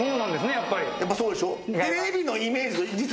やっぱそうでしょ。